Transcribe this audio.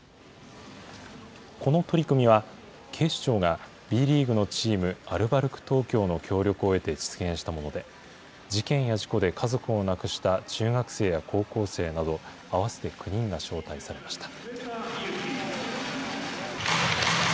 この取り組みは、警視庁がＢリーグのチーム、アルバルク東京の協力を得て実現したもので、事件や事故で家族を亡くした中学生や高校生など、合わせて９人が招待されました。